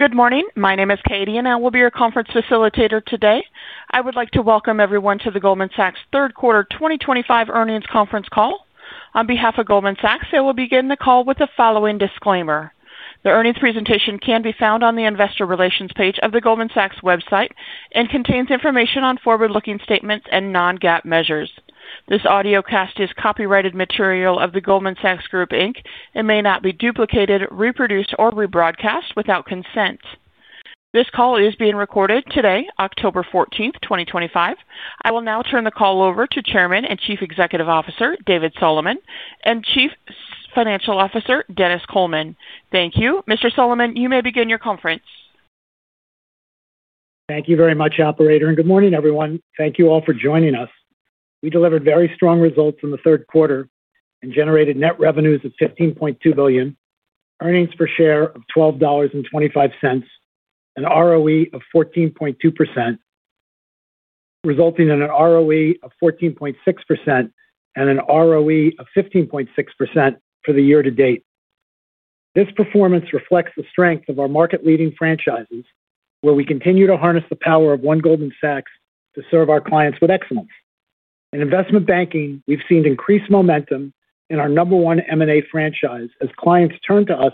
Good morning, my name is Kayte and I will be your conference facilitator today. I would like to welcome everyone to the Goldman Sachs third quarter 2025 earnings conference call on behalf of Goldman Sachs. I will begin the call with the following disclaimer. The earnings presentation can be found on the Investor Relations page of the Goldman Sachs website and contains information on forward-looking statements and non-GAAP measures. This audio cast is copyrighted material of the Goldman Sachs Group Inc. and may not be duplicated, reproduced, or rebroadcast without consent. This call is being recorded today, October 14th, 2025. I will now turn the call over to Chairman and Chief Executive Officer David Solomon and Chief Financial Officer Dennis Coleman. Thank you, Mr. Solomon. You may begin your conference. Thank you very much, operator, and good morning, everyone. Thank you all for joining us. We delivered very strong results in the third quarter and generated net revenues of $15.2 billion, earnings per share of $12.25, an ROE of 14.2%, resulting in an ROE of 14.6% and an ROE of 15.6% for the year-to-date. This performance reflects the strength of our market-leading franchises, where we continue to harness the power of One Goldman Sachs to serve our clients with excellence in investment banking. We've seen increased momentum in our number one M&A franchise as clients turn to us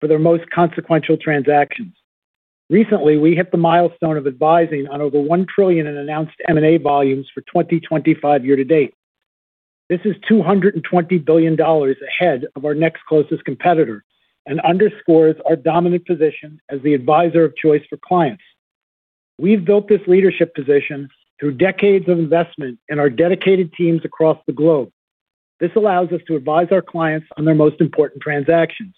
for their most consequential transactions. Recently, we hit the milestone of advising on over $1 trillion in announced M&A volumes for 2025 year-to-date. This is $220 billion ahead of our next closest competitor and underscores our dominant position as the advisor of choice for clients. We've built this leadership position through decades of investment in our dedicated teams across the globe. This allows us to advise our clients on their most important transactions.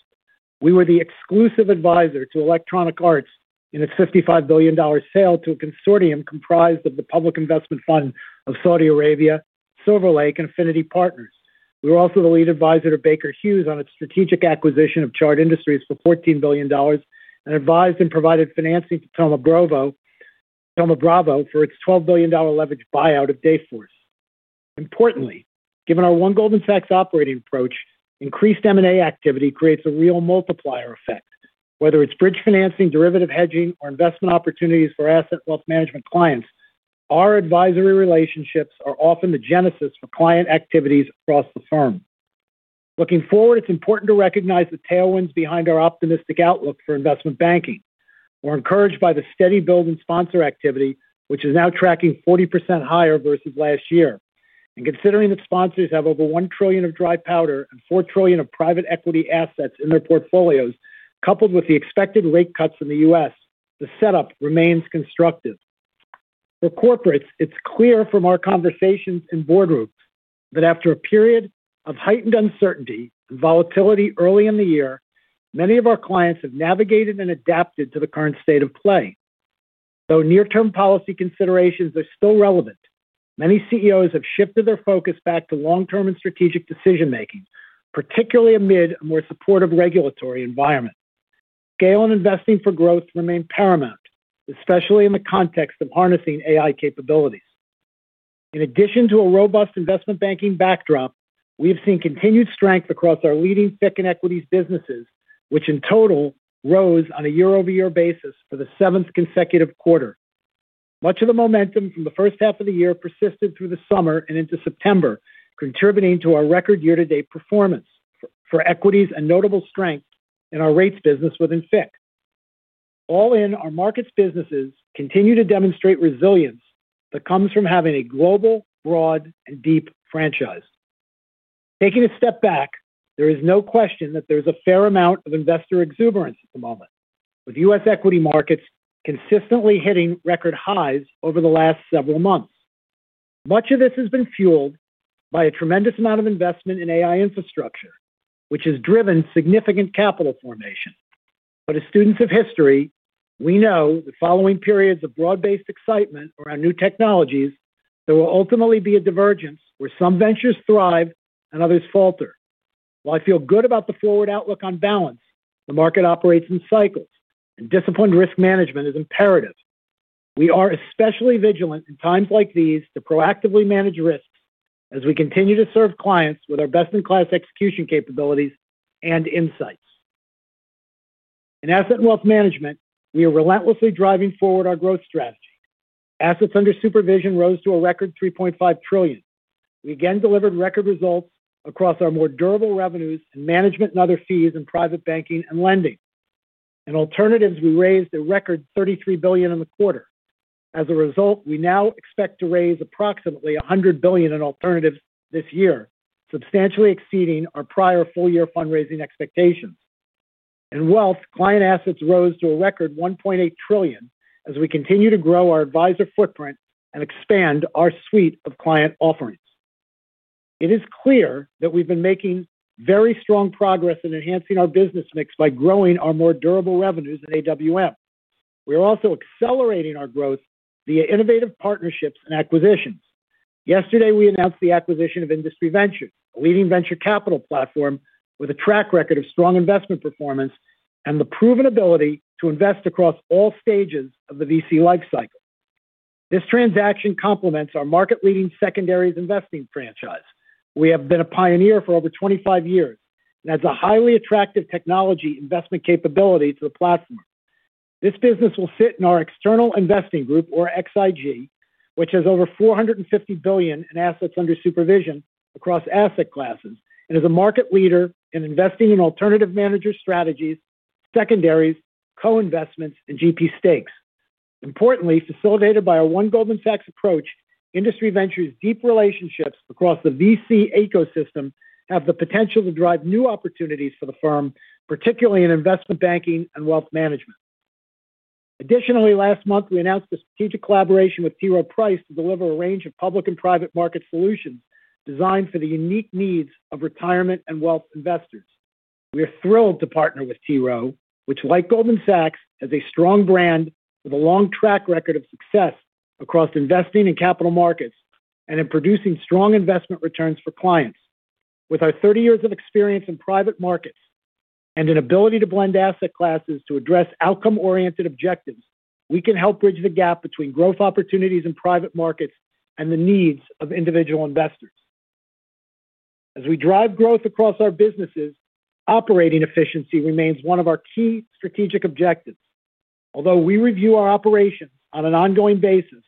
We were the exclusive advisor to Electronic Arts in its $55 billion sale to a consortium comprised of the Public Investment Fund of Saudi Arabia, Silver Lake, and Affinity Partners. We were also the lead advisor to Baker Hughes on its strategic acquisition of Chart Industries for $14 billion and advised and provided financing to Thoma Bravo for its $12 billion leveraged buyout of Dayforce. Importantly, given our One Goldman Sachs operating approach, increased M&A activity creates a real multiplier effect. Whether it's bridge financing, derivative hedging, or investment opportunities for asset and wealth management clients, our advisory relationships are often the genesis for client activities across the firm. Looking forward, it's important to recognize the tailwinds behind our optimistic outlook for investment banking. We're encouraged by the steady build in sponsor activity, which is now tracking 40% higher versus last year. Considering that sponsors have over $1 trillion of dry powder and $4 trillion of private equity assets in their portfolios, coupled with the expected rate cuts in the U.S., the setup remains constructive for corporates. It's clear from our conversations in boardrooms that after a period of heightened uncertainty and volatility early in the year, many of our clients have navigated and adapted to the current state of play. Though near-term policy considerations are still relevant, many CEOs have shifted their focus back to long-term and strategic decision making, particularly amid a more supportive regulatory environment. Scale and investing for growth remain paramount, especially in the context of harnessing AI capabilities. In addition to a robust investment banking backdrop, we have seen continued strength across our leading FICC and equities businesses, which in total rose on a year-over-year basis for the seventh consecutive quarter. Much of the momentum from the first half of the year persisted through the summer and into September, contributing to our record year-to-date performance for equities and notable strength in our rates business within FICC. All in, our markets businesses continue to demonstrate resilience that comes from having a global, broad, and deep franchise. Taking a step back, there is no question that there is a fair amount of investor exuberance at the moment, with U.S. equity markets consistently hitting record highs over the last several months. Much of this has been fueled by a tremendous amount of investment in AI infrastructure, which has driven significant capital formation. As students of history, we know that following periods of broad-based excitement around new technologies, there will ultimately be a divergence where some ventures thrive and others falter. While I feel good about the forward outlook, on balance the market operates in cycles and disciplined risk management is imperative. We are especially vigilant in times like these to proactively manage risks as we continue to serve clients with our best-in-class execution capabilities and insights. In asset and wealth management, we are relentlessly driving forward our growth strategy. Assets under supervision rose to a record $3.5 trillion. We again delivered record results across our more durable revenues and management and other fees. In private banking and lending in alternatives, we raised a record $33 billion in the quarter. As a result, we now expect to raise approximately $100 billion in alternatives this year, substantially exceeding our prior full-year fundraising expectations. In wealth, client assets rose to a record $1.8 trillion. As we continue to grow our advisor footprint and expand our suite of client offerings, it is clear that we've been making very strong progress in enhancing our business mix by growing our more durable revenues at AWM. We are also accelerating our growth via innovative partnerships and acquisitions. Yesterday we announced the acquisition of Industry Ventures, a leading venture capital platform with a track record of strong investment performance and the proven ability to invest across all stages of the VC life cycle. This transaction complements our market-leading secondary investing franchise we have been a pioneer for over 25 years and adds a highly attractive technology investment capability to the platform. This business will sit in our External Investing Group, or XIG, which has over $450 billion in assets under supervision across asset classes and is a market leader in investing in alternative manager strategies, secondaries, co-investments, and GP stakes. Importantly, facilitated by our One Goldman Sachs approach, Industry Ventures' deep relationships across the VC ecosystem have the potential to drive new opportunities for the firm, particularly in investment banking and wealth management. Additionally, last month we announced a strategic collaboration with T. Rowe Price to deliver a range of public and private market solutions designed for the unique needs of retirement and wealth investors. We are thrilled to partner with T. Rowe, which, like Goldman Sachs, has a strong brand with a long track record of success across investing in capital markets and in producing strong investment returns for clients. With our 30 years of experience in private markets and an ability to blend asset classes to address outcome-oriented objectives, we can help bridge the gap between growth opportunities in private markets and the needs of individual investors. As we drive growth across our businesses, operating efficiency remains one of our key strategic objectives. Although we review our operations on an ongoing basis,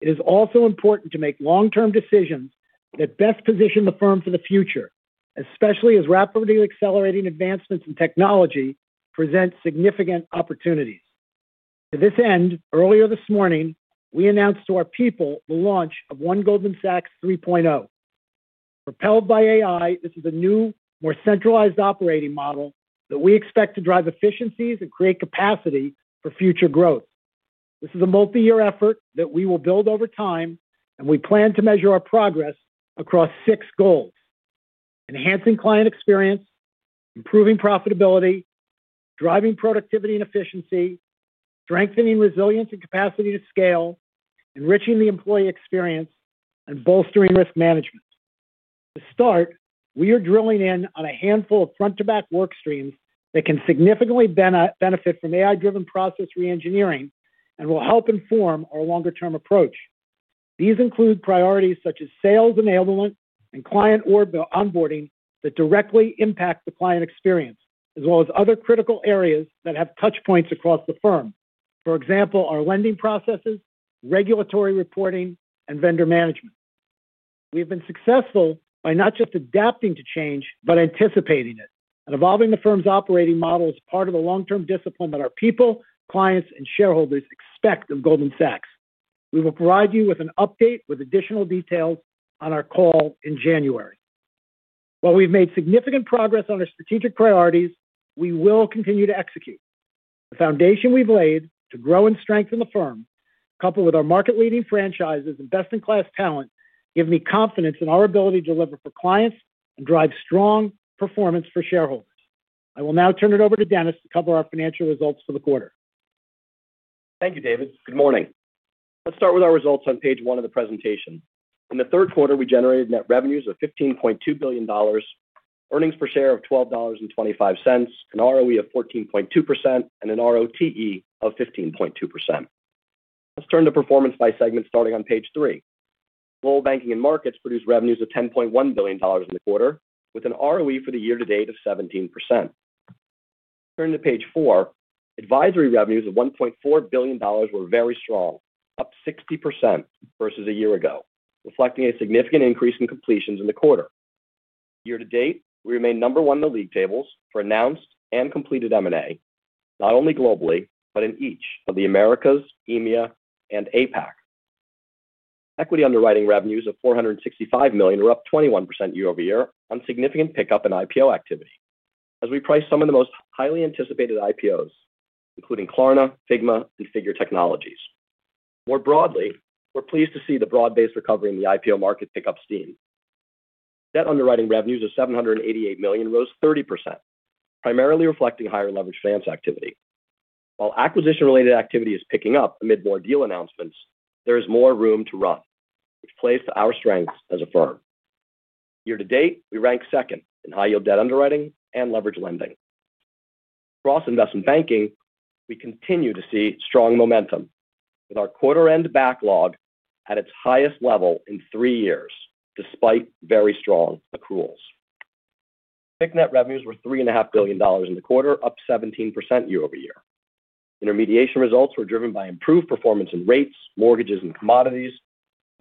it is also important to make long-term decisions that best position the firm for the future, especially as rapidly accelerating advancements in technology present significant opportunities. To this end, earlier this morning we announced to our people the launch of One Goldman Sachs 3.0. Propelled by AI, this is a new, more centralized operating model that we expect to drive efficiencies and create capacity for future growth. This is a multi-year effort that we will build over time, and we plan to measure our progress across six goals: enhancing client experience, improving profitability, driving productivity and efficiency, strengthening resilience and capacity to scale, enriching the employee experience, and bolstering risk management. To start, we are drilling in on a handful of front-to-back work streams that can significantly benefit from AI-driven process reengineering and will help inform our longer-term approach. These include priorities such as sales enablement and client onboarding that directly impact the client experience, as well as other critical areas that have touchpoints across the firm, for example, our lending processes, regulatory reporting, and vendor management. We have been successful by not just adapting to change, but anticipating it. Evolving the firm's operating model is part of the long-term discipline that our people, clients, and shareholders expect of Goldman Sachs. We will provide you with an update with additional details on our call in January. While we've made significant progress on our strategic priorities, we will continue to execute the foundation we've laid to grow and strengthen the firm. Coupled with our market-leading franchises and best-in-class talent, give me confidence in our ability to deliver for clients and drive strong performance for shareholders. I will now turn it over to Dennis to cover our financial results for the quarter. Thank you, David. Good morning. Let's start with our results on page one of the presentation. In the third quarter, we generated net revenues of $15.2 billion, earnings per share of $12.25, an ROE of 14.2%, and an ROTE of 15.2%. Let's turn to performance by segment, starting on page three. Global Banking & Markets produced revenues of $10.1 billion in the quarter, with an ROE for the year-to-date of 17%. Turning to page four, advisory revenues of $1.4 billion were very strong, up 60% versus a year ago, reflecting a significant increase in completions in the quarter year-to-date. We remain number one in the league tables for announced and completed M&A, not only globally but in each of the Americas, EMEA, and APAC. Equity underwriting revenues of $465 million were up 21% year-over-year on significant pickup in IPO activity as we price some of the most highly anticipated IPOs, including Klarna, Figma, and Figure Technologies. More broadly, we're pleased to see the broad-based recovery in the IPO market pick up steam. Debt underwriting revenues of $788 million rose 30%, primarily reflecting higher leveraged finance activity. While acquisition-related activity is picking up amid more deal announcements, there is more room to run, which plays to our strengths as a firm. Year-to-date, we ranked second in high yield debt underwriting and leveraged lending. Across investment banking, we continue to see strong momentum, with our quarter-end backlog at its highest level in three years despite very strong accruals. FICC net revenues were $3.5 billion in the quarter, up 17% year-over-year. Intermediation results were driven by improved performance in rates, mortgages, and commodities,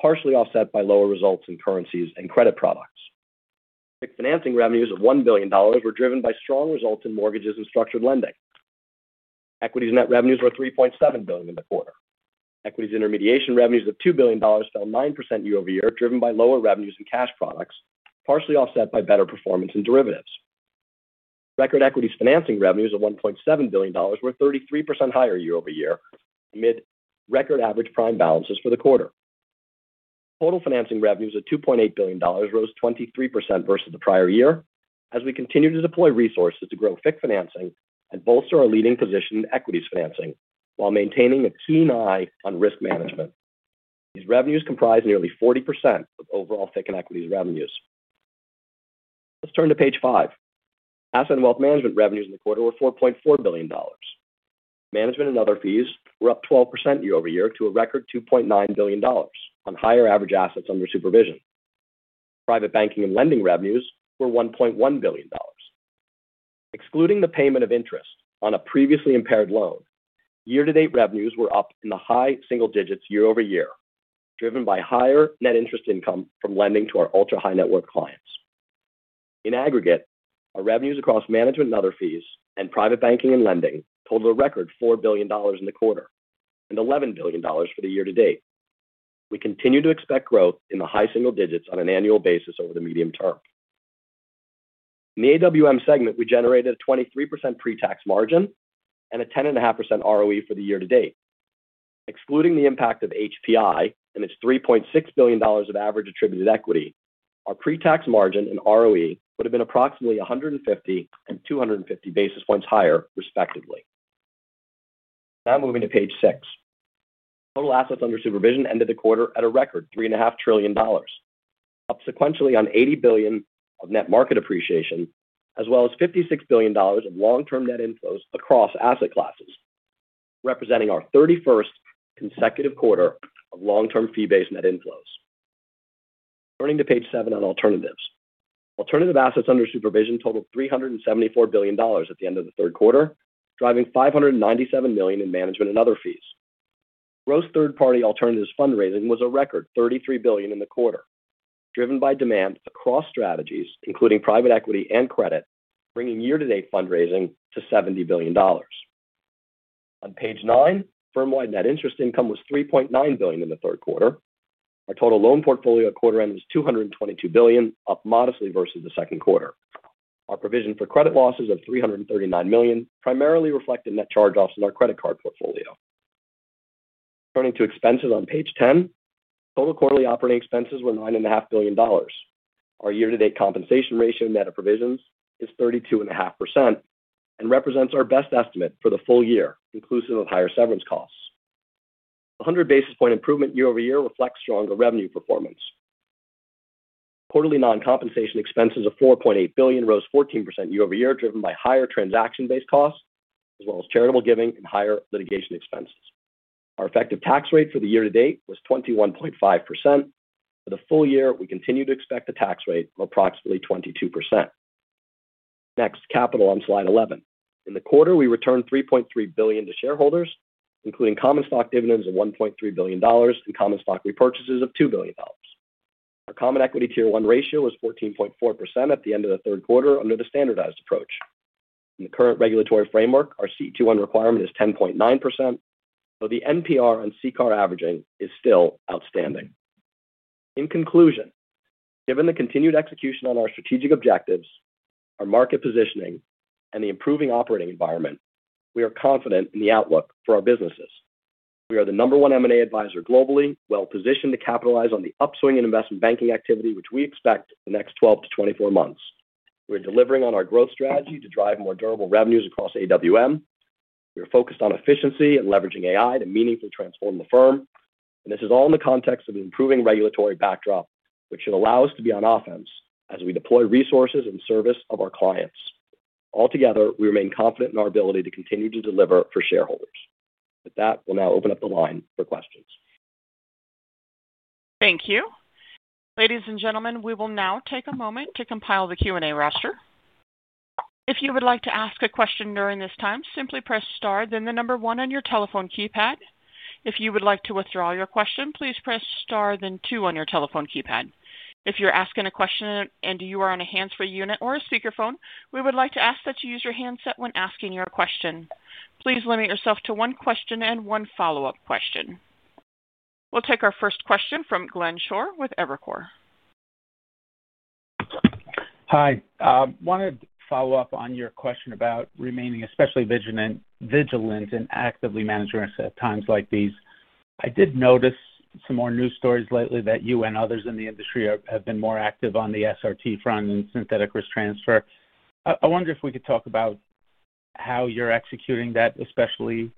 partially offset by lower results in currencies and credit products. Financing revenues of $1 billion were driven by strong results in mortgages and structured lending. Equities net revenues were $3.7 billion in the quarter. Equities intermediation revenues of $2 billion fell 9% year-over-year, driven by lower revenues in cash products, partially offset by better performance in derivatives. Record equities financing revenues of $1.7 billion were 33% higher year-over-year amid record average prime balances for the quarter. Total financing revenues of $2.8 billion rose 23% versus the prior year as we continue to deploy resources to grow FICC financing and bolster our leading position in equities financing while maintaining a keen eye on risk management. These revenues comprise nearly 40% of overall FICC and equities revenues. Let's turn to page five. Asset and wealth management revenues in the quarter were $4.4 billion. Management and other fees were up 12% year-over-year to a record $2.9 billion. On higher average assets under supervision, private banking and lending revenues were $1.1 billion excluding the payment of interest on a previously impaired loan. Year-to-date revenues were up in the high single digits year-over- year driven by higher net interest income from lending to our ultra high net worth clients. In aggregate, our revenues across management and other fees and private banking and lending totaled a record $4 billion in the quarter and $11 billion for the year-to-date. We continue to expect growth in the high single digits on an annual basis over the medium term. In the AWM segment we generated a 23% pre-tax margin and a 10.5% ROE for the year-to-date. Excluding the impact of HPI and its $3.6 billion of average attributed equity, our pre-tax margin and ROE would have been approximately 150 and 250 basis points higher, respectively. Now moving to page six. Total assets under supervision ended the quarter at a record $3.5 trillion, up sequentially on $80 billion of net market appreciation as well as $56 billion of long-term net inflows across asset classes representing our 31st consecutive quarter of long-term fee-based net inflows. Turning to page seven on alternatives, alternative assets under supervision totaled $374 billion at the end of the third quarter, driving $597 million in management and other fees. Gross third-party alternatives fundraising was a record $33 billion in the quarter driven by demand across strategies including private equity and credit, bringing year-to-date fundraising to $70 billion. On page nine, firmwide net interest income was $3.9 billion in the third quarter. Our total loan portfolio at quarter end was $222 billion, up modestly versus the second quarter. Our provision for credit losses of $339 million primarily reflected net charge-offs in our credit card portfolio. Turning to expenses on page 10, total quarterly operating expenses were $9.5 billion. Our year-to-date compensation ratio net of provisions is 32.5% and represents our best estimate for the full year inclusive of higher severance costs. The 100 basis point improvement year-over-year reflects stronger revenue performance. Quarterly non-compensation expenses of $4.8 billion rose 14% year-over-year, driven by higher transaction-based costs as well as charitable giving and higher litigation expenses. Our effective tax rate for the year-to-date was 21.5%. For the full year, we continue to expect a tax rate of approximately 22%. Next, capital on slide 11. In the quarter, we returned $3.3 billion to shareholders, including common stock dividends of $1.3 billion and common stock repurchases of $2 billion. Our common equity tier 1 ratio was 14.4% at the end of the third quarter under the standardized approach. In the current regulatory framework, our CET1 requirement is 10.9%, but the NPR on CCAR averaging is still outstanding. In conclusion, given the continued execution on our strategic objectives, our market positioning, and the improving operating environment, we are confident in the outlook for our businesses. We are the number one M&A advisor globally, well positioned to capitalize on the upswing in investment banking activity, which we expect in the next 12-24 months. We're delivering on our growth strategy to drive more durable revenues across AWM. We're focused on efficiency and leveraging AI to meaningfully transform the firm, and this is all in the context of the improving regulatory backdrop, which should allow us to be on offense as we deploy resources in service of our clients. Altogether, we remain confident in our ability to continue to deliver for shareholders. With that, we'll now open up the line for questions. Thank you, ladies and gentlemen. We will now take a moment to compile the Q&A roster. If you would like to ask a question during this time, simply press star then the number one on your telephone keypad. If you would like to withdraw your question, please press star then two on your telephone keypad. If you're asking a question and you are on a hands-free unit or a speakerphone, we would like to ask that you use your handset when asking your question. Please limit yourself to one question and one follow-up question. We'll take our first question from Glenn Schorr with Evercore. Hi, wanted to follow-up on your question about remaining especially vigilant and actively manage risk at times like these. I did notice some more news stories lately that you and others in the industry have been more active on the SRT front and synthetic risk transfer. I wonder if we could talk about how you're executing that. Especially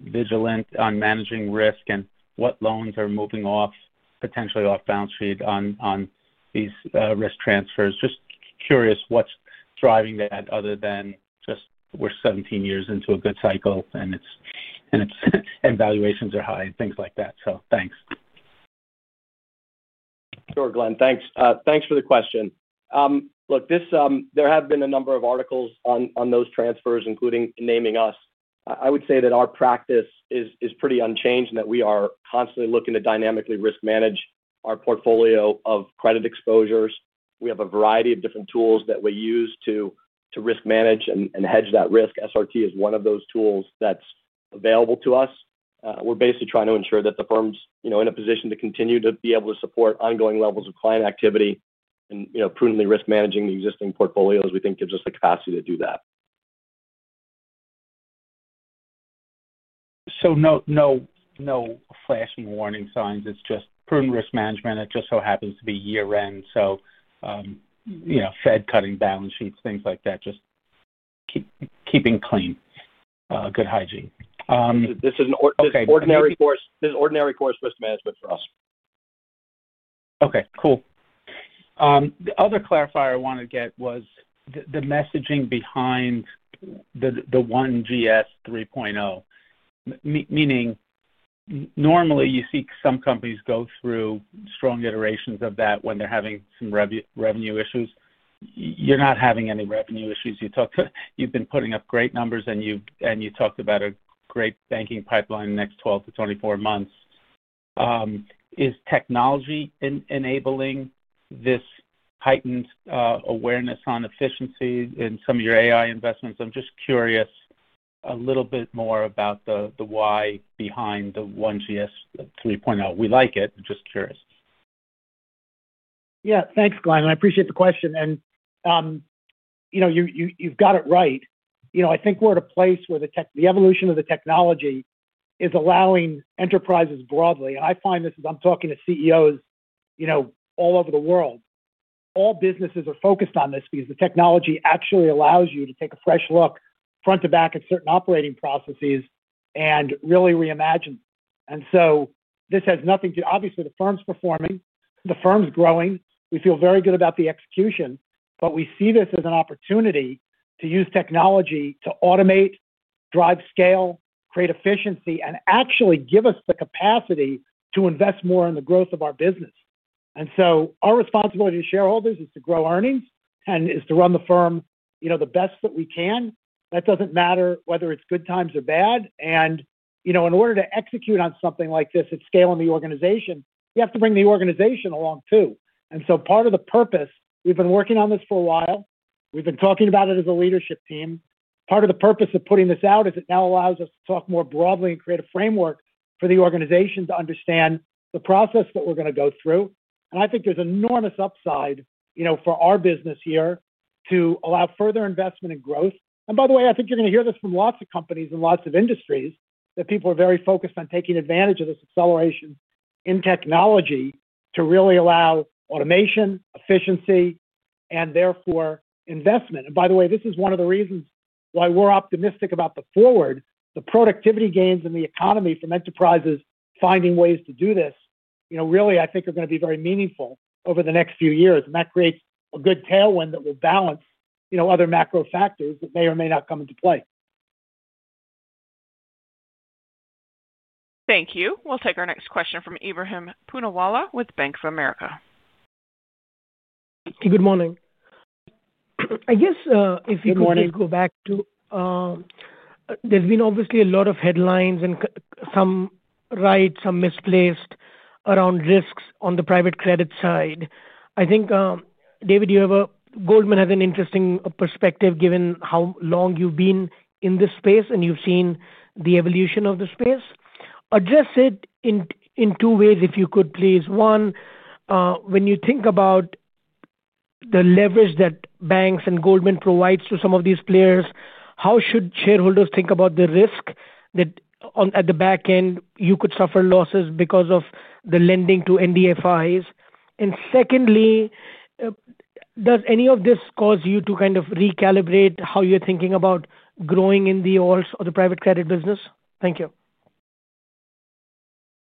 vigilant on managing risk and what loans are moving off, potentially off balance sheet on these risk transfers. Just curious what's driving that other than just we're 17 years into a good cycle and it's evaluations are high and things like that. Thanks. Sure, Glenn, thanks. Thanks for the question. Look, there have been a number of articles on those transfers, including naming us. I would say that our practice is pretty unchanged and that we are constantly looking to dynamically risk manage our portfolio of credit exposures. We have a variety of different tools that we use to risk manage and hedge that risk. SRT is one of those tools that's available to us. We're basically trying to ensure that the firm's in a position to continue to be able to support ongoing levels of client activity, and prudently risk managing the existing portfolios we think gives us the capacity to do that. No flashing warning signs. It's just prudent risk management. It just so happens to be year end. You know, Fed cutting balance sheets, things like that, just keeping clean, good hygiene. This is ordinary course risk management for us. Okay, cool. The other clarifier I wanted to get was the messaging behind the One Goldman Sachs 3.0. Meaning, normally you see some companies go through strong iterations of that when they're having some revenue issues. You're not having any revenue issues. You've been putting up great numbers, and you talked about a great banking pipeline next 12-24 months. Is technology enabling this heightened awareness on efficiency in some of your AI investments? I'm just curious a little bit more about the why behind the One Goldman Sachs 3.0. We like it. Just curious. Yeah, thanks Glenn. I appreciate the question and you know, you've got it right. I think we're at a place where the evolution of the technology is allowing enterprises broadly. I find this as I'm talking to CEOs all over the world, all businesses are focused on this because the technology actually allows you to take a fresh look front to back at certain operating processes and really reimagine. This has nothing to do, obviously, the firm's performing, the firm's growing, we feel very good about the execution, but we see this as an opportunity to use technology to automate, drive scale, create efficiency, and actually give us the capacity to invest more in the growth of our business. Our responsibility to shareholders is to grow earnings. The goal is to run the firm the best that we can, that doesn't matter whether it's good times or bad. In order to execute on something like this at scale in the organization, you have to bring the organization along, too. Part of the purpose, we've been working on this for a while, we've been talking about it as a leadership team. Part of the purpose of putting this out is it now allows us to talk more broadly and create a framework for the organization to understand the process that we're going to go through. I think there's enormous upside for our business here to allow further investment in growth. By the way, I think you're going to hear this from lots of companies in lots of industries that people are very focused on taking advantage of this acceleration in technology to really allow automation, efficiency, and therefore investment. By the way, this is one of the reasons why we're optimistic about the forward, the productivity gains in the economy from enterprises finding ways to do this, I think are going to be very meaningful over the next few years. That creates a good tailwind that will balance other macro factors that may or may not come into play. Thank you. We'll take our next question from Ebrahim Poonawala with Bank of America. Good morning. I guess if you could go back to there's been obviously a lot of headlines and some rights are misplaced around risks on the private credit side. I think David you have a- Goldman has an interesting perspective given how long you've been in this space and you've seen the evolution of the space. Address it in two ways if you could, please. One, when you think about the leverage that banks and Goldman Sachs provides to some of these players, how should shareholders think about the risk that at the back end you could suffer losses because of the lending to NDFIs? Secondly, does any of this cause you to kind of recalibrate how you're thinking about growing in the alts or the private credit business? Thank you.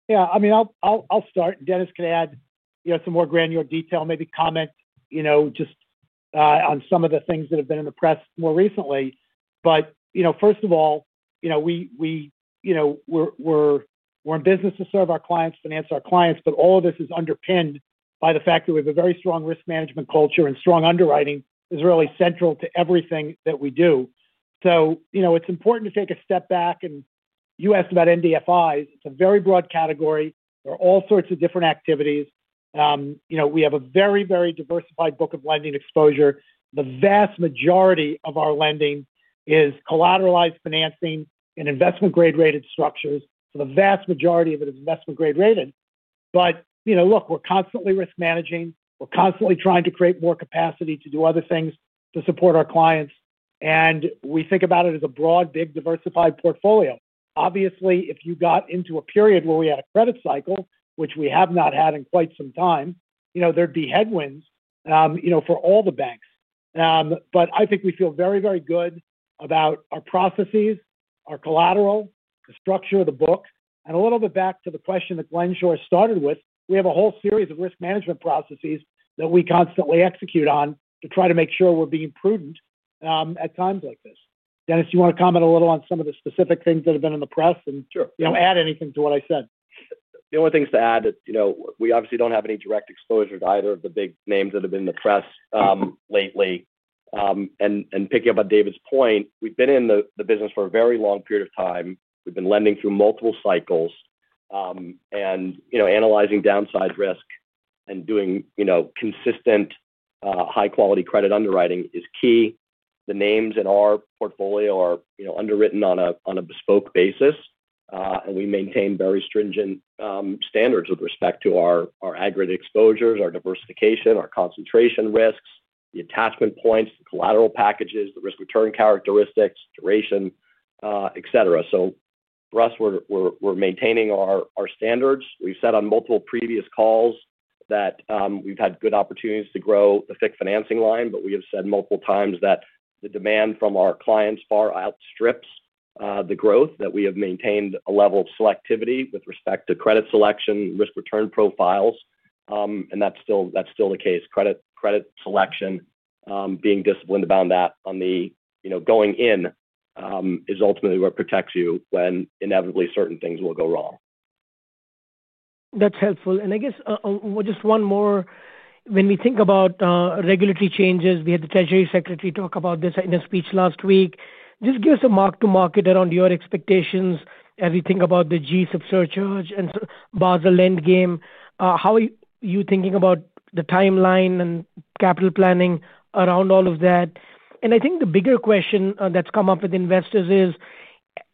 Yeah, I mean, I'll start. Dennis can add some more granular detail, maybe comment just on some of the things that have been in the press more recently. First of all, we're in business to serve our clients, finance our clients. All of this is underpinned by the fact that we have a very strong risk management culture and strong underwriting is really central to everything that we do. It's important to take a step back. You asked about NDFIs. It's a very broad category. There are all sorts of different activities. We have a very, very diversified book of lending exposure. The vast majority of our lending is collateralized financing and investment grade rated structures. The vast majority of it is investment grade rated. We're constantly risk managing. We're constantly trying to create more capacity to do other things to support our clients. We think about it as a broad, big diversified portfolio. Obviously, if you got into a period where we had a credit cycle, which we have not had in quite some time, there'd be headwinds for all the banks. I think we feel very, very good about our processes, our collateral, the structure of the book. A little bit back to the question that Glenn Schorr started with, we have a whole series of risk management processes that we constantly execute on to try to make sure we're being prudent at times like this. Dennis, you want to comment a little on some of the specific things that have been in the press and add anything to what I said. The only things to add, we obviously don't have any direct exposure to either of the big names that have been in the press lately. Picking up on David's point, we've been in the business for a very long period of time. We've been lending through multiple cycles and analyzing downside risk and doing consistent high quality credit. Underwriting is key. The names in our portfolio are underwritten on a bespoke basis. We maintain very stringent standards with respect to our aggregate exposures, our diversification, our concentration risks, the attachment points, collateral packages, the risk return characteristics, duration, et cetera. For us, we're maintaining our standards. We've said on multiple previous calls that we've had good opportunities to grow the FICC financing line. We have said multiple times that the demand from our clients far outstrips the growth that we have maintained a level of selectivity with respect to credit selection, risk return profiles and that's still the case. Credit selection, being disciplined about that going in, is ultimately what protects you when inevitably certain things will go wrong. That's helpful. I guess just one more when we think about regulatory changes. We had the Treasury Secretary talk about this in a speech last week. Just give us a mark-to-market around your expectations as you think about the G-SIB surcharge and Basel III endgame. How are you thinking about the timeline and capital planning around all of that? I think the bigger question that's come up with investors is,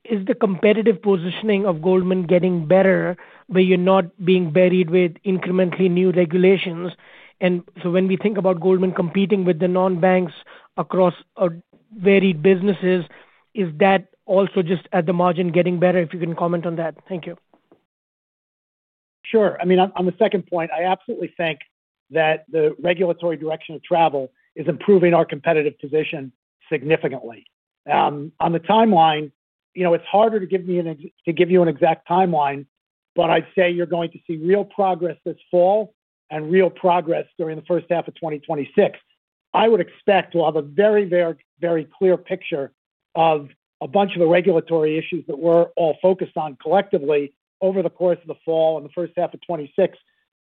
is the competitive positioning of Goldman Sachs getting better where you're not being buried with incrementally new regulations? When we think about Goldman Sachs competing with the non-banks across a varied businesses, is that also just at the margin getting better? If you can comment on that. Thank you. Sure. I mean on the second point, I absolutely think that the regulatory direction of travel is improving our competitive position significantly on the timeline. It's harder to give you an exact timeline, but I'd say you're going to see real progress this fall and real progress during the first half of 2026. I would expect we'll have a very, very, very clear picture of a bunch of the regulatory issues that we're all focused on collectively over the course of the fall and the first half of 2026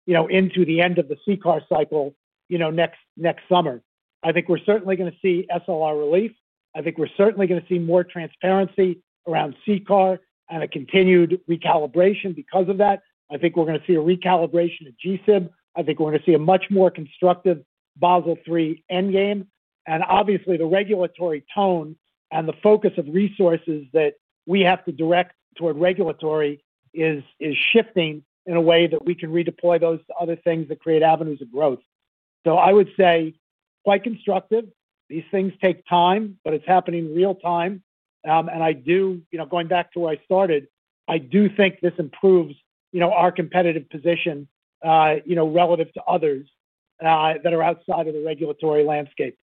into the end of the CCAR cycle next summer. I think we're certainly going to see SLR relief. I think we're certainly going to see more transparency around CCAR and a continued recalibration because of that. I think we're going to see a recalibration of G-SIB. I think we're going to see a much more constructive Basel III endgame. Obviously, the regulatory tone and the focus of resources that we have to direct toward regulatory is shifting in a way that we can redeploy those other things that create avenues of growth. I would say quite constructive. These things take time, but it's happening real time. Going back to where I started, I do think this improves our competitive position relative to others that are outside of the regulatory landscape.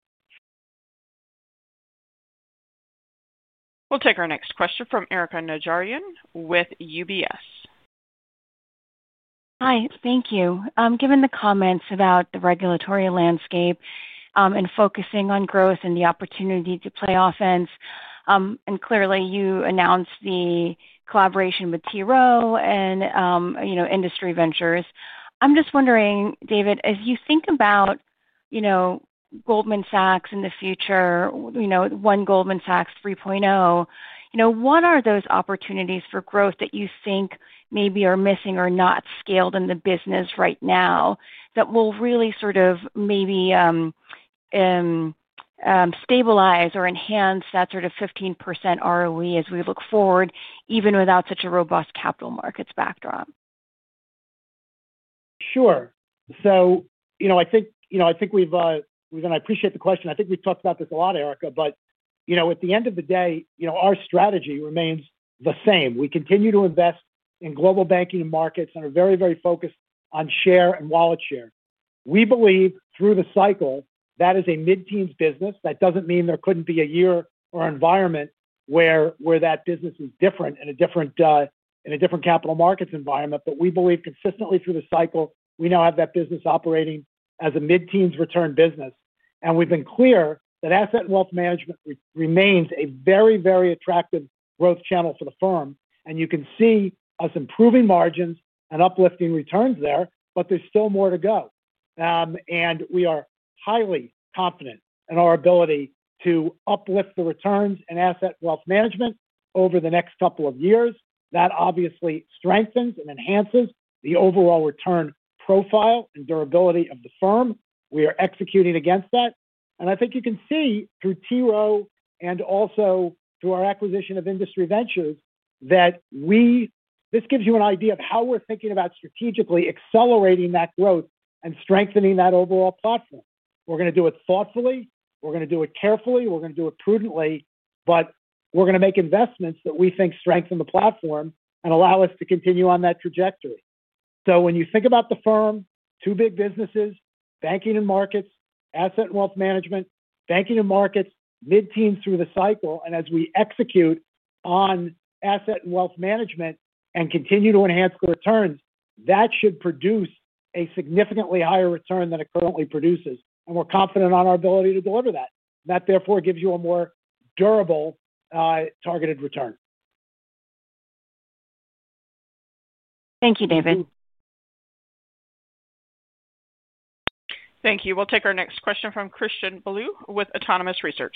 We'll take our next question from Erika Najarian with UBS. Hi, thank you. Given the comments about the regulatory landscape and focusing on growth and the opportunity to play offense, and clearly you announced the cost collaboration with T. Rowe Price and Industry Ventures, I'm just wondering, David, as you think about Goldman Sachs in the future, One Goldman Sachs 3.0, what are those opportunities for growth that you think maybe are missing or not scaled in the business right now that will really maybe. Stabilize. Enhance that 15% ROE as we look forward even without such a robust capital markets backdrop? Sure. I think we've, and I appreciate the question, I think we've talked about this a lot, Erika, but at the end of the day our strategy remains the same. We continue to invest in Global Banking & Markets and are very, very focused on share and wallet share. We believe through the cycle that is a mid teens business. That doesn't mean there couldn't be a year or environment where that business is different in a different capital markets environment. We believe consistently through the cycle we now have that business operating as a mid teens return business. We've been clear that Asset & Wealth Management remains a very, very attractive growth channel for the firm. You can see us improving margins and uplifting returns there. There's still more to go and we are highly confident in our ability to uplift the returns in Asset & Wealth Management over the next couple of years. That obviously strengthens and enhances the overall return profile and durability of the firm. We are executing against that. I think you can see through T. Rowe Price and also through our acquisition of Industry Ventures that this gives you an idea of how we're thinking about strategically accelerating that growth and strengthening that overall platform. We're going to do it thoughtfully, we're going to do it carefully, we're going to do it prudently, but we're going to make investments that we think strengthen the platform and allow us to continue on that trajectory. When you think about the firm, two big businesses, Banking & Markets, Asset & Wealth Management, Banking & Markets, mid teens through the cycle and as we execute on Asset & Wealth Management and continue to enhance the returns, that should produce a significantly higher return than it currently produces. We're confident on our ability to deliver that. That therefore gives you a more durable, targeted return. Thank you, David. Thank you. We'll take our next question from Christian Bolu with Autonomous Research.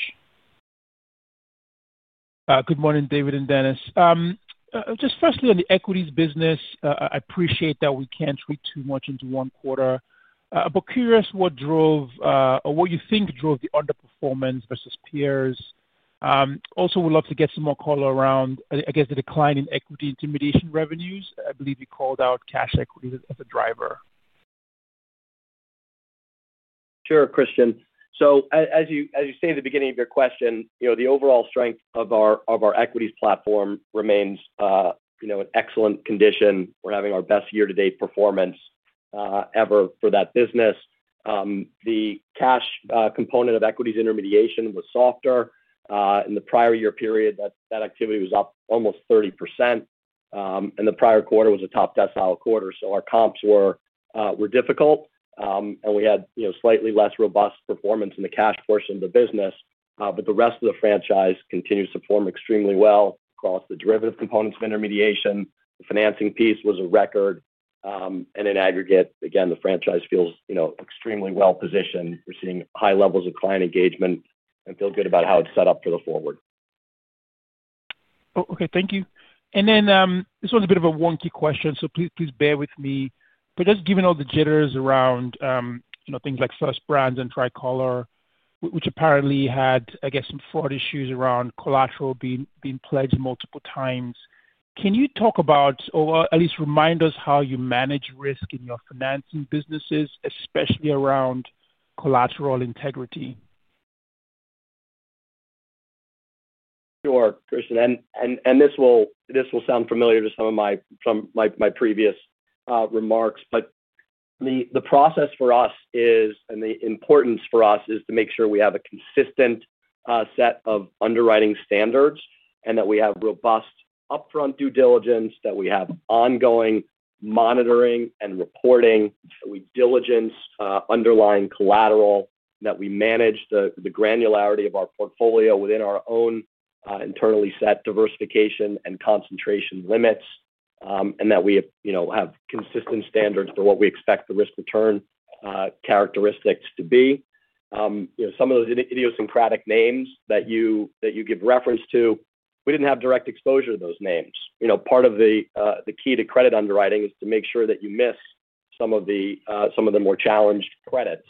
Good morning David and Dennis. Just firstly on the equities business, I appreciate that we can't read too much into one quarter, but curious what drove or what you think drove the underperformance versus peers. Also, would love to get some more color around, I guess, the decline in equity intermediation revenues. I believe you called out cash equity as a driver. Sure, Christian. As you say at the beginning of your question, the overall strength of our equities platform remains in excellent condition. We're having our best year-to-date performance ever for that business. The cash component of equities intermediation was softer. In the prior year period, that activity was up almost 30% and the prior quarter was a top decile quarter. Our comps were difficult and we had slightly less robust performance in the cash portion of the business. The rest of the franchise continues to perform extremely well across the derivative components of intermediation. The financing piece was a record and in aggregate, again, the franchise feels extremely well positioned. We're seeing high levels of client engagement and feel good about how it's set up for the forward. Okay, thank you. This one's a bit of a wonky question, so please bear with me. Given all the jitters around things like First Brands and Tricolor, which apparently had, I guess, some fraud issues around collateral being pledged multiple times, can you talk about or at least remind us how you manage risk in your financing businesses, especially around collateral integrity? Sure, Christian, this will sound familiar to some of my previous remarks, but the process for us is, and the importance for us is to make sure we have a consistent set of underwriting standards and that we have robust upfront due diligence, that we have ongoing monitoring and reporting diligence underlying collateral, that we manage the granularity of our portfolio within our own internally set diversification and concentration limits, and that we have consistent standards for what we expect the risk return characteristics to be. Some of those idiosyncratic names that you give reference to, we didn't have direct exposure to those names. Part of the key to credit underwriting is to make sure that you miss some of the more challenged credits,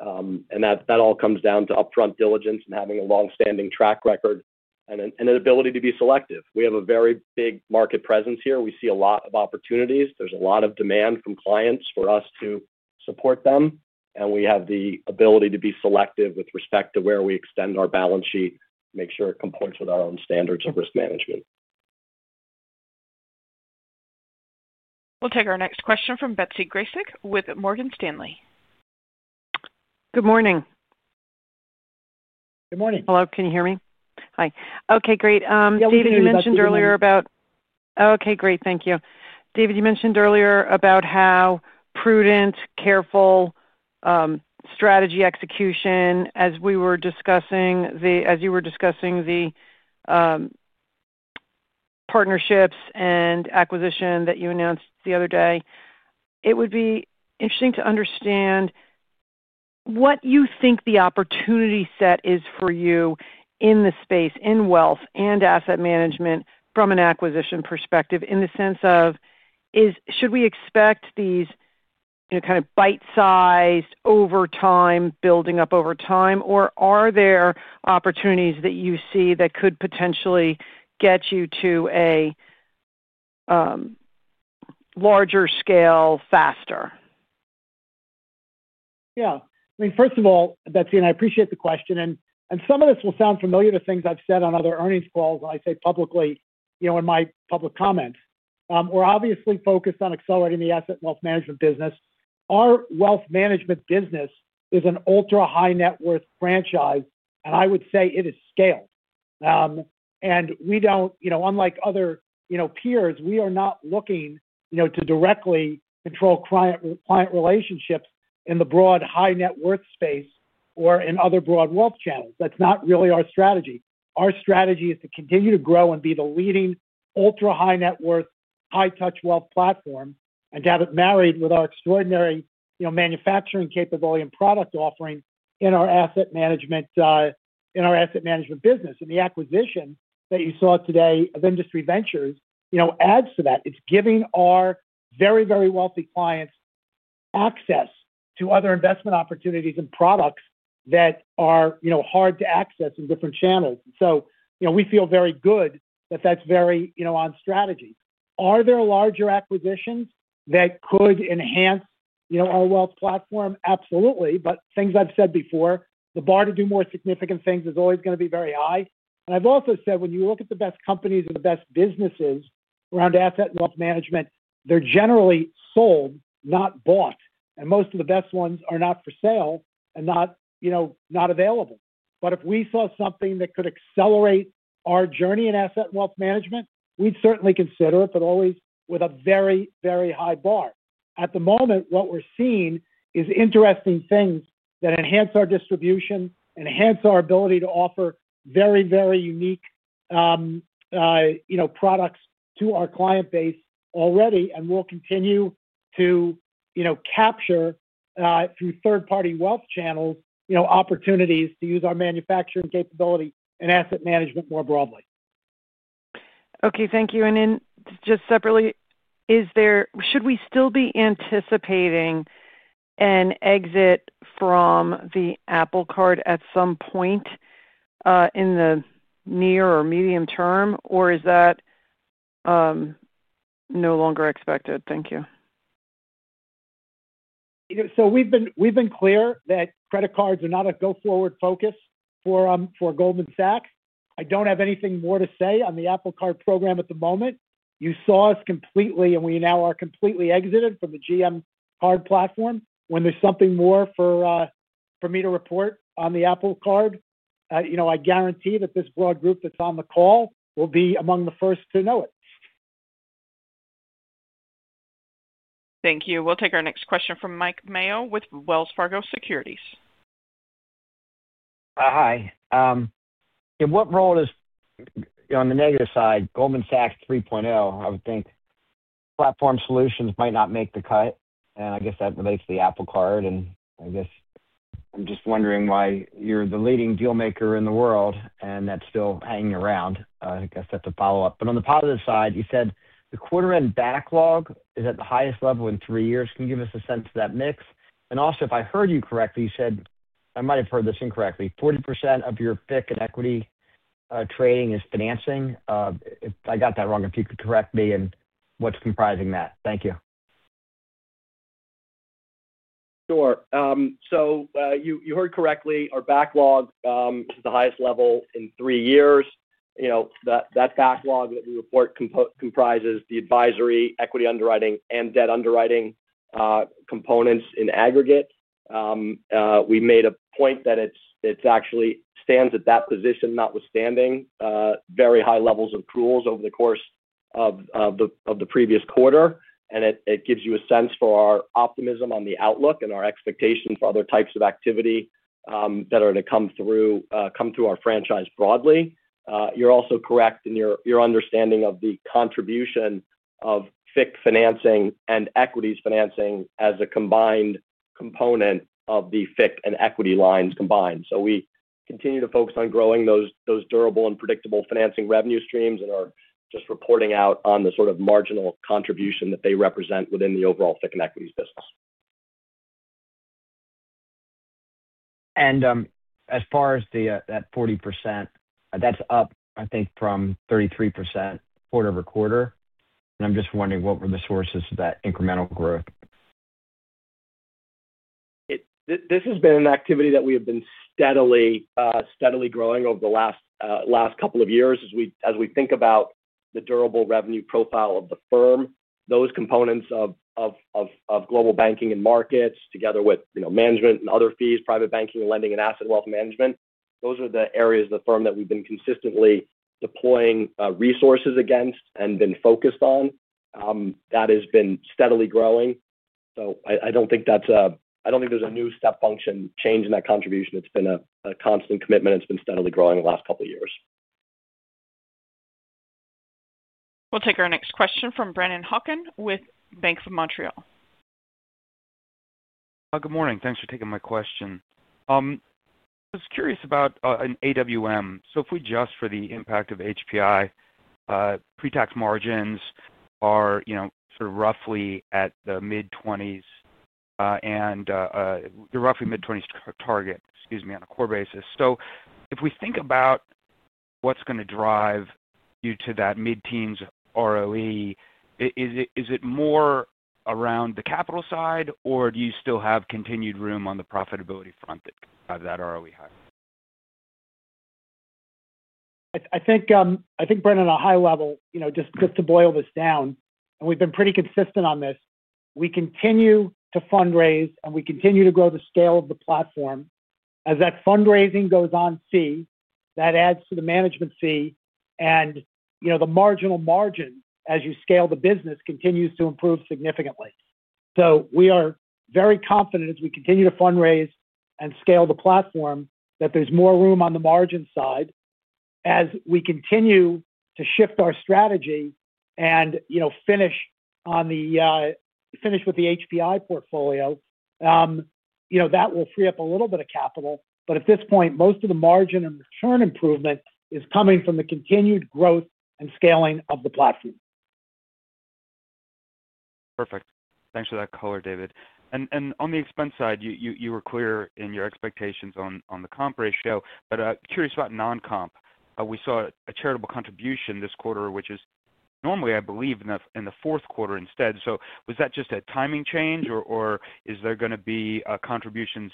and that all comes down to upfront diligence and having a long-standing track record and an ability to be selective. We have a very big market presence here. We see a lot of opportunities, there's a lot of demand from clients for us to support them, and we have the ability to be selective with respect to where we extend our balance sheet, make sure it comports with our own standards of risk management. We'll take our next question from Betsy Graseck with Morgan Stanley. Good morning. Good morning. Hello. Can you hear me? Hi. Okay, great. Thank you. David, you mentioned earlier about how prudent, careful strategy execution. As you were discussing the partnerships and acquisition that you announced the other day, it would be interesting to understand what you think the opportunity set is for you in this space in wealth and asset management from an acquisition perspective in the sense of should we expect these kind of bite sized overtime building up over time or are there opportunities that you see that could potentially get you to a larger scale faster? Yeah, I mean, first of all, Betsy, I appreciate the question and some of this will sound familiar to things I've said on other earnings calls and I say publicly in my public comments. We're obviously focused on accelerating the asset wealth management business. Our wealth management business is an ultra high net worth franchise and I would say it is scaled and we don't, unlike other peers, we are not looking to directly control client relationships in the broad high net worth space or in other broad wealth channels, that's not really our strategy. Our strategy is to continue to grow and be the leading ultra high net worth, high touch wealth platform and to have it married with our extraordinary manufacturing capability and product offering in our asset management business. The acquisition that you saw today of Industry Ventures adds to that. It's giving our very, very wealthy clients access to other investment opportunities and products that are hard to access in different channels. We feel very good that that's very on strategy. Are there larger acquisitions that could enhance our wealth platform? Absolutely. Things I've said before, the bar to do more significant things is always going to be very high. I've also said when you look at the best companies and the best businesses around asset wealth management, they're generally sold, not bought, and most of the best ones are not for sale and not available. If we saw something that could accelerate our journey in asset wealth management, we'd certainly consider it, but always with a very, very high bar. At the moment, what we're seeing is interesting things that enhance our distribution, enhance our ability to offer very, very unique products to our client base already. We'll continue to capture through third party wealth channels opportunities to use our manufacturing capability and asset management more broadly. Thank you. Just separately, should we still be anticipating an exit from the Apple Card at some point in the near or medium term, or is that no longer expected? Thank you. We've been clear that credit cards are not a go forward focus for Goldman Sachs. I don't have anything more to say on the Apple Card program at the moment. You saw us completely, and we now are completely exited from the GM card platform. When there's something more for me to report on the Apple Card, I guarantee that this broad group that's on the call will be among the first to know it. Thank you. We'll take our next question from Mike Mayo with Wells Fargo Securities. Hi. In what role does, on the negative side, Goldman Sachs 3.0, I would think platform solutions might not make the cut, and I guess that relates to the Apple Card. I guess I'm just wondering why you're the leading deal maker in the world and that's still hanging around. I guess that's a follow-up. On the positive side, you said the quarter end backlog is at the highest level in three years. Can you give us a sense of that mix? Also, if I heard you correctly, you said—I might have heard this incorrectly—40% of your FICC and equity trading is financing. If I got that wrong, if you could correct me. What's comprising that? Thank you. Sure. You heard correctly, our backlog is the highest level in three years. That backlog that we report comprises the advisory, equity underwriting, and debt underwriting components in aggregate. We made a point that it actually stands at that position notwithstanding very high levels of accruals over the course of the previous quarter. It gives you a sense for our optimism on the outlook and our expectation for other types of activity that are to come through our franchise broadly. You're also correct in your understanding of the contribution of FICC financing and equities financing as a combined component of the FICC and equity lines combined. We continue to focus on growing those durable and predictable financing revenue streams and are just reporting out on the sort of marginal contribution that they represent within the overall FICC and equities business. As far as that 40%, that's up, I think, from 33% quarter-over-quarter. I'm just wondering what were the sources of that incremental growth. This has been an activity that we have been steadily, steadily growing over the last couple of years. As we think about the durable revenue profile of the firm, those components of Global Banking & Markets, together with management and other fees, private banking, lending, and asset wealth management, those are the areas of the firm that we've been consistently deploying resources against and been focused on that has been steadily growing. I don't think there's a new step function change in that contribution. It's been a constant commitment. It's been steadily growing the last couple of years. We'll take our next question from Brennan Hawken with Bank of Montreal. Good morning. Thanks for taking my question. I was curious about an AWM. If we adjust for the impact of HPI, pretax margins are roughly at the mid-20s and the roughly mid-20s target on a core basis. If we think about what's going to drive you to that mid-teens ROE, is it more around the capital side or do you still have continued room on the profitability front that drives that ROE higher? I think, Brennan, at a high level, you know, just to boil this down, and we've been pretty consistent on this, we continue to fundraise and we continue to grow the scale of the platform as that fundraising goes on. That adds to the management fee and the marginal margin as you scale, the business continues to improve significantly. We are very confident as we continue to fundraise and scale the platform that there's more room on the margin side as we continue to shift our strategy and finish with the HPI portfolio, that will free up a little bit of capital. At this point most of the margin and return improvement is coming from the continued growth and scaling of the platform. Perfect. Thanks for that color. David, on the expense side, you were clear in your expectations on the comp ratio. Curious about non-comp. We saw a charitable contribution this quarter, which is normally, I believe, in the fourth quarter instead. Was that just a timing change, or is there going to be contributions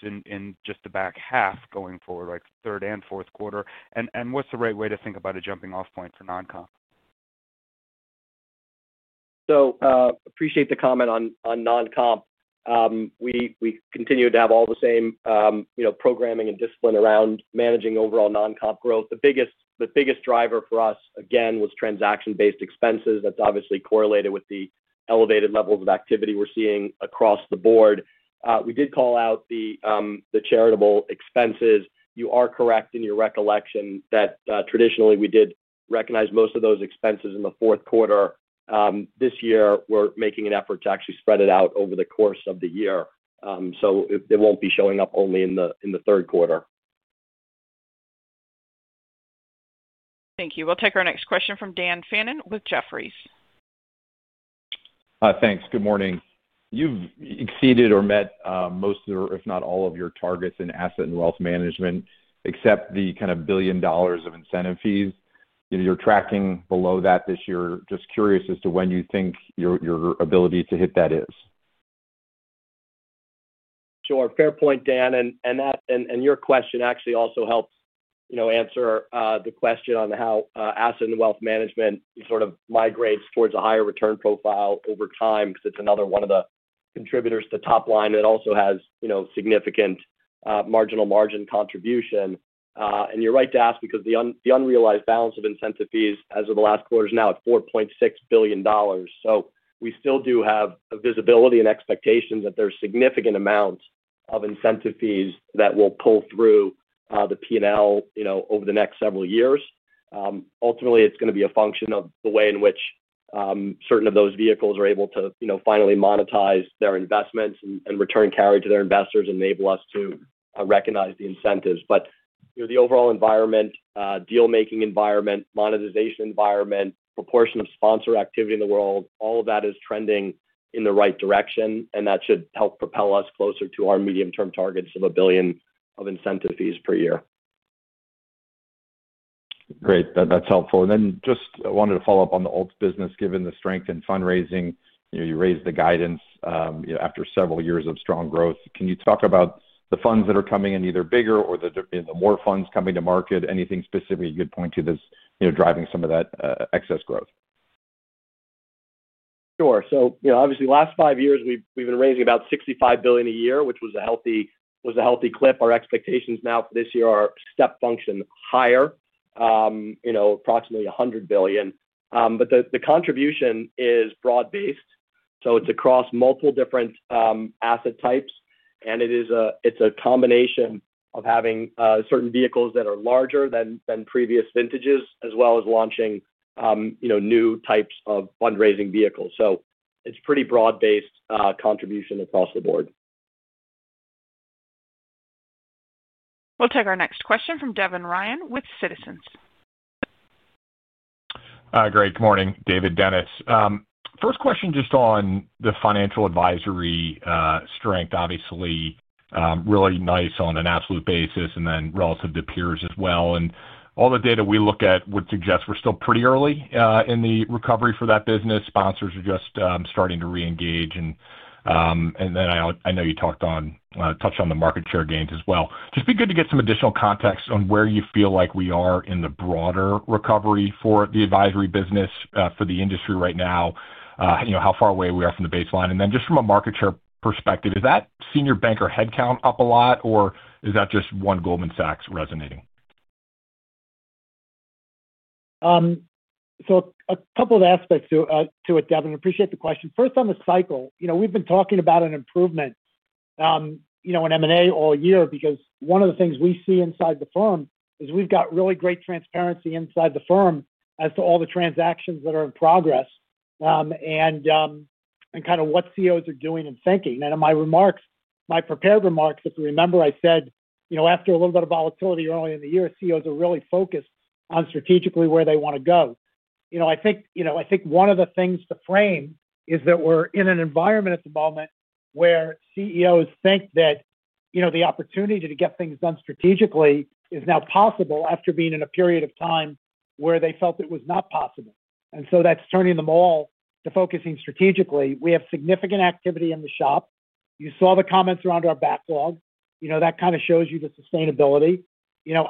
just the back half going forward, like third and fourth quarter? What's the right way to think about a jumping off point for non-comp? Appreciate the comment on non comp. We continue to have all the same programming and discipline around managing overall non comp growth. The biggest driver for us again was transaction-based expenses. That's obviously correlated with the elevated levels of activity we're seeing across the board. We did call out the charitable expenses. You are correct in your recollection that traditionally we did recognize most of those expenses in the fourth quarter. This year we're making an effort to actually spread it out over the course of the year, so it won't be showing up only in the third quarter. Thank you. We'll take our next question from Dan Fannon with Jefferies. Thanks. Good morning. You've exceeded or met most if not all of your targets in asset and wealth management except the kind of billion dollars of incentive fees, you're tracking below that this year. Just curious as to when you think your ability to hit that is sure. Fair point, Dan. Your question actually also helps answer the question on how asset and wealth management sort of migrates towards a higher return profile over time. It's another one of the contributors to top line that also has significant marginal margin contribution. You're right to ask because the unrealized balance of incentive fees as of the last quarter is now at $4.6 billion. We still do have visibility and expectations that there's significant amounts of incentive fees that will pull through the P&L over the next several years. Ultimately it's going to be a function of the way in which certain of those vehicles are able to finally monetize their investments and return carry to their investors, enable us to recognize the incentives. The overall environment, deal making environment, monetization environment, proportion of sponsor activity in the world, all of that is trending in the right direction and that should help propel us closer to our medium-term targets of $1 billion of incentive fees per year. Great, that's helpful. I just wanted to follow-up on the alts business. Given the strength in fundraising, you raised the guidance after several years of strong growth. Can you talk about the funds that. Are coming in either bigger, or are more funds coming to market? Anything specific you could point to that's driving some of that excess growth? Sure. Obviously, the last five years we've been raising about $65 billion a year, which was a healthy clip. Our expectations now for this year are a step function higher, you know, approximately $100 billion. The contribution is broad based, so it's across multiple different asset types. It is a combination of having certain vehicles that are larger than previous vintages as well as launching new types of fundraising vehicles. It's a pretty broad based contribution across the board. We'll take our next question from Devin Ryan with Citizens. Great morning. David, Dennis, first question just on the financial advisory strength, obviously really nice on an absolute basis and then relative to peers as well. All the data we look at would suggest we're still pretty early in the recovery for that business. Sponsors are just starting to re-engage, and I know you touched on the market share gains as well. Just be good to get some additional. Context on where you feel like we are in the broader recovery for the advisory business for the industry right now. You know how far away we are from the baseline. From a market share perspective, is that Senior Banker headcount up a lot or is that just One Goldman Sachs resonating? A couple of aspects to it. Devin, appreciate the question. First, on the cycle we've been talking about an improvement in M&A all year because one of the things we see inside the firm is we've got really great transparency inside the firm as to all the transactions that are in progress and kind of what CEOs are doing and thinking. In my prepared remarks, if you remember, I said after a little bit of volatility early in the year, CEOs are really focused strategically where they want to go. I think one of the things to frame is that we're in an environment at the moment where CEOs think that the opportunity to get things done strategically is now possible after being in a period of time where they felt it was not possible. That's turning them all to focusing strategically. We have significant activity in the shop. You saw the comments around our backlog. That kind of shows you the sustainability.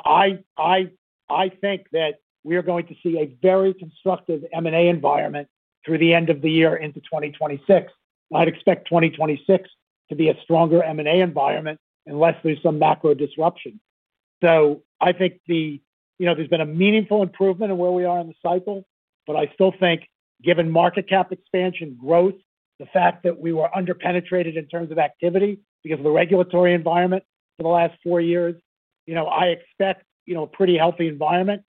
I think that we are going to see a very constructive M&A environment through the end of the year into 2026. I'd expect 2026 to be a stronger M&A environment unless there's some macro disruption. I think there's been a meaningful improvement in where we are in the cycle. I still think given market cap expansion growth, the fact that we were underpenetrated in terms of activity because of the regulatory environment for the last four years, I expect a pretty healthy environment.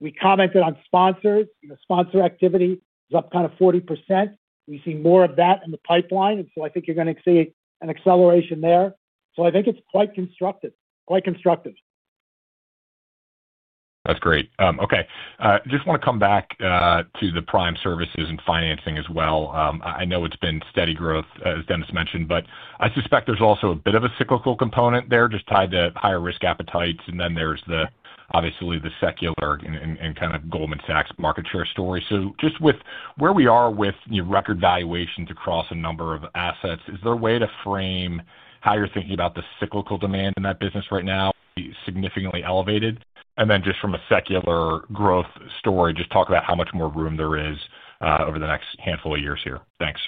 We commented on sponsors, sponsor activity is up kind of 40%. We see more of that in the pipeline and I think you're going to see an acceleration there. I think it's quite constructive. That's great. Okay. Just want to come back to the prime services and financing as well. I know it's been steady growth as Dennis mentioned, but I suspect there's also a bit of a cyclical component there, just tied to higher risk appetites. There's obviously the secular and kind of Goldman Sachs market share story. With where we are with record valuations across a number of assets, is there a way to frame how you're thinking about the cyclical demand in that business right now, significantly elevated? From a secular growth story, just talk about how much more room there is over the next handful of years here. Thanks.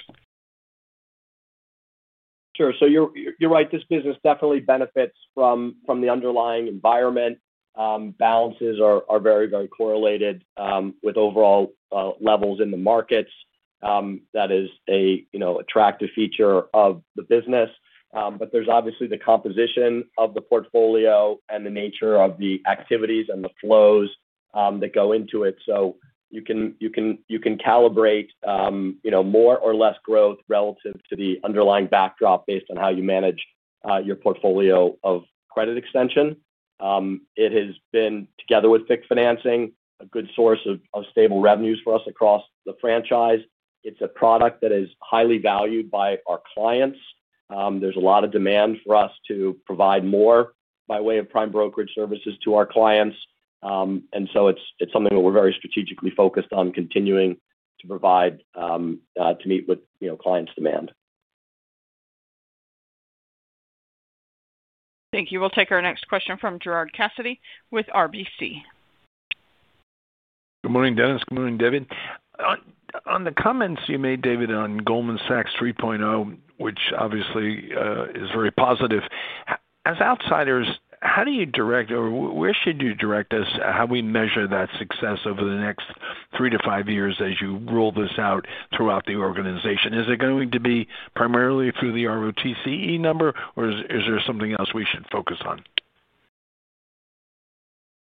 Sure. You're right. This business definitely benefits from the underlying environment. Balances are very, very correlated with overall levels in the markets. That is an attractive feature of the business. There's obviously the composition of the portfolio and the nature of the activities and the flows that go into it. You can calibrate more or less growth relative to the underlying backdrop based on how you manage your portfolio of credit extension. It has been, together with FICC financing, a good source of stable revenues for us across the franchise. It's a product that is highly valued by our clients. There's a lot of demand for us to provide more by way of prime brokerage services to our clients. It's something that we're very strategically focused on continuing to provide to meet with clients' demand. Thank you. We'll take our next question from Gerard Cassidy with RBC. Good morning, Dennis. Good morning, David. On the comments you made, David, on One Goldman Sachs 3.0, which obviously is very positive, as outsiders, how do you direct or where should you direct us? How we measure that success over the next three to five years as you roll this out throughout the organization, is it going to be primarily through the ROTCE number or is there something else we should focus on.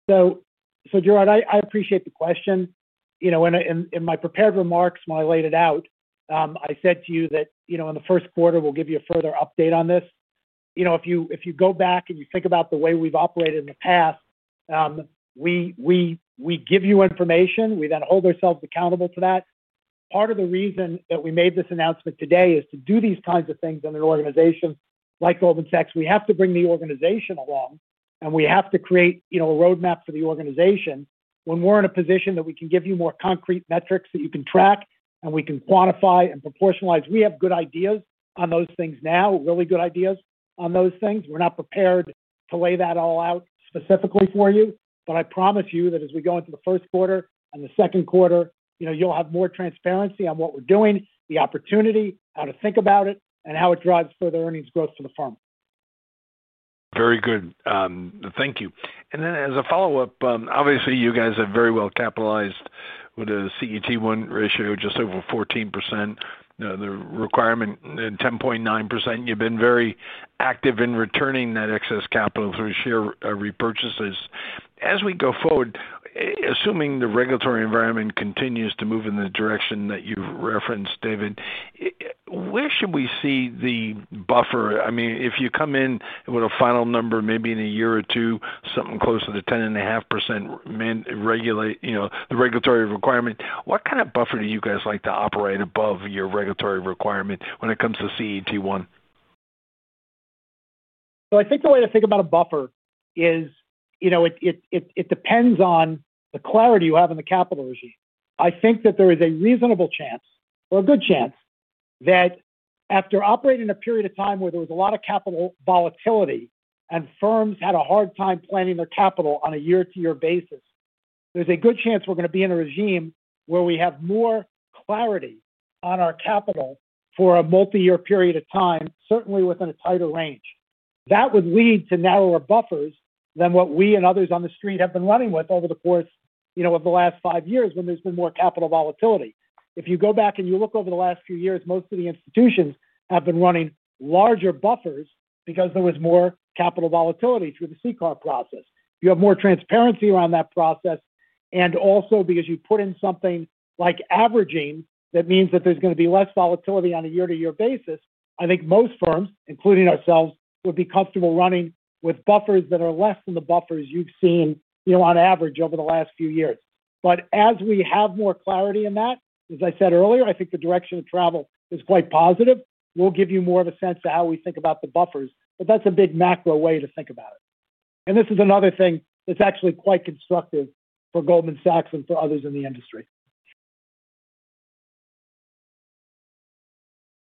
Gerard, I appreciate the question. In my prepared remarks, when I laid it out, I said to you that, you know, in the first quarter we'll give you a further update on this. If you go back and you think about the way we've operated in the past, we give you information, we then hold ourselves accountable to that. Part of the reason that we made this announcement today is to do these kinds of things in an organization like Goldman Sachs. We have to bring the organization along and we have to create a roadmap for the organization when we're in a position that we can give you more concrete metrics that you can track and we can quantify and proportionalize. We have good ideas on those things now, really good ideas on those things. We're not prepared to lay that all out specifically for you. I promise you that as we go into the first quarter and the second quarter, you'll have more transparency on what we're doing, the opportunity, how to think about it, and how it drives further earnings growth for the firm. Very good, thank you. As a follow-up, obviously you guys are very well capitalized with a CET1 ratio just over 14%, the requirement 10.9%. You've been very active in returning that excess capital through share repurchases. As we go forward, assuming the regulatory environment continues to move in the direction that you referenced, David, where should we see the buffer? I mean, if you come in with a final number, maybe in a year or two, something closer to 10.5%, the regulatory requirement, what kind of buffer do you guys like to operate above your regulatory requirement when it comes to CET1? I think the way to think about a buffer is it depends on the clarity you have in the capital regime. I think that there is a reasonable chance or a good chance that after operating in a period of time where there was a lot of capital volatility and firms had a hard time planning their capital on a year-to-year basis, there's a good chance we're going to be in a regime where we have more clarity on our capital for a multi-year period of time, certainly within a tighter range. That would lead to narrower buffers than what we and others on the street have been running with over the course of the last five years when there's been more capital volatility. If you go back and you look over the last few years, most of the institutions have been running larger buffers because there was more capital volatility through the CCAR process. You have more transparency around that process, and also because you put in something like averaging, that means that there's going to be less volatility on a year-to-year basis. I think most firms, including ourselves, would be comfortable running with buffers that are less than the buffers you've seen on average over the last few years. As we have more clarity in that, as I said earlier, I think the direction of travel is quite positive. We'll give you more of a sense of how we think about the buffers, but that's a big macro way to think about it. This is another thing that's actually quite constructive for Goldman Sachs and for others in the industry.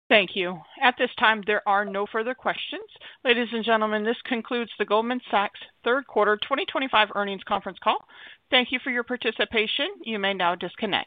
Thank you. At this time, there are no further questions. Ladies and gentlemen, this concludes the Goldman Sachs third quarter 2025 earnings conference call. Thank you for your participation. You may now disconnect.